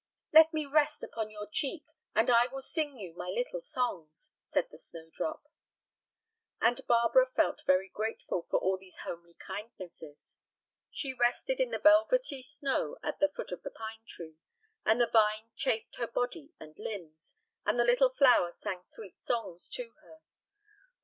"Let me rest upon your cheek, and I will sing you my little songs," said the snowdrop. And Barbara felt very grateful for all these homely kindnesses. She rested in the velvety snow at the foot of the pine tree, and the vine chafed her body and limbs, and the little flower sang sweet songs to her.